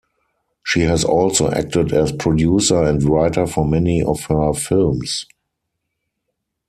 She has also acted as producer and writer for many of her films.